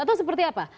atau seperti apa